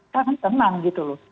kan tenang gitu loh